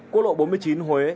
quốc lộ bốn mươi chín huế